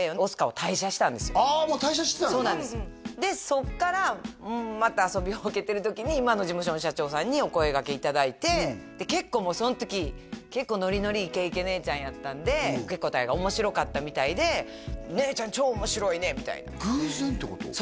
もう退社してたんだなそうなんですでそっからまた遊びほうけてる時に今の事務所の社長さんにお声掛けいただいてで結構もうその時結構ノリノリイケイケ姉ちゃんやったんで受け答えが面白かったみたいで「姉ちゃん超面白いね」みたいな偶然ってこと？